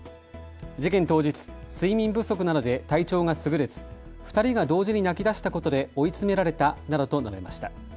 事件当日、睡眠不足などで体調がすぐれず、２人が同時に泣きだしたことで追い詰められたなどと述べました。